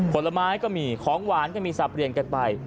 ผลไม้ก็มีของหวานก็มีสับเปลี่ยนกันไป